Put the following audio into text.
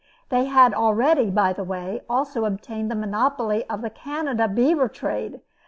They had already, by the way, also obtained the monopoly of the Canada beaver trade.